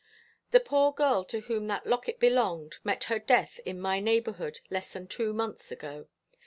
"The poor girl to whom that locket belonged met her death in my neighbourhood less than two months ago.